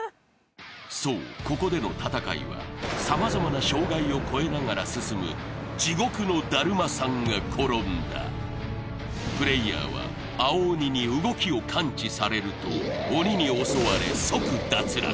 そうここでの戦いは様々な障害を越えながら進むプレイヤーは青鬼に動きを感知されると鬼に襲われ即脱落